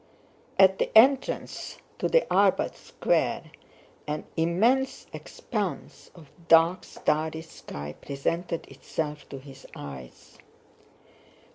At the entrance to the Arbát Square an immense expanse of dark starry sky presented itself to his eyes.